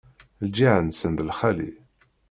Lǧiha-nsen d lxali.